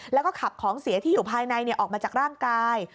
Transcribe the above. แล้วก็ขับของเสียที่อยู่ภายในออกมาจากร่างกาย